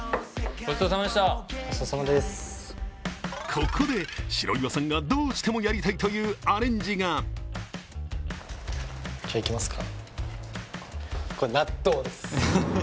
ここで、白岩さんがどうしてもやりたいというアレンジがじゃあ、いきますか。